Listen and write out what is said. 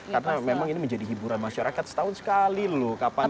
karena memang ini menjadi hiburan masyarakat setahun sekali loh kapan lagi